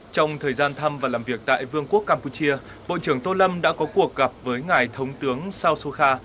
trong thời gian thăm và làm việc tại vương quốc campuchia bộ trưởng tô lâm đã có cuộc gặp với ngài thống tướng sao sokha